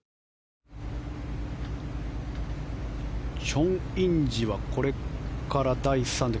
チョン・インジはこれから第３打。